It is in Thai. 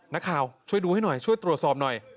นักข่าวช่วยดูให้หน่อยจ่วยตรวจสอบหน่อย